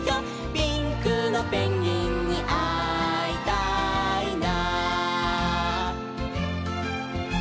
「ピンクのペンギンにあいたいな」